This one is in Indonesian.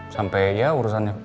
sampai ya urusannya